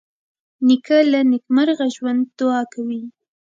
نیکه له نیکمرغه ژوند دعا کوي.